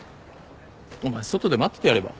お前外で待っててやれば？